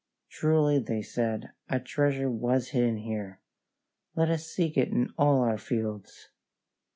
"Truly," they said, "a treasure was hidden there. Let us seek it in all our fields."